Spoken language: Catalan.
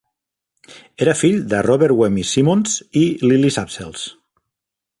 Era fill de Robert Wemyss Symonds i Lily Sapzells.